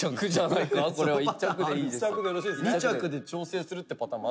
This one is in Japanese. ２着で調整するってパターンも。